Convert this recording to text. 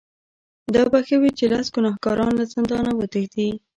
دا به ښه وي چې لس ګناهکاران له زندانه وتښتي.